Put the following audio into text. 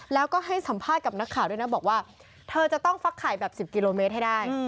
แล้วก็ให้สัมภาษณ์กับนักข่าวด้วยนะบอกว่าเธอจะต้องฟักไข่แบบ๑๐กิโลเมตรให้ได้